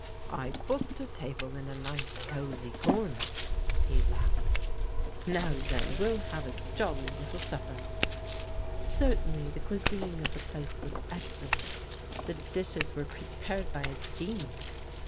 " I booked a table in a nice, co2y comer," he laugheA "Now then, we'll have a jolly little supper." Certainly the cuisine of the place was excellent. The dishes were prepared by a genius.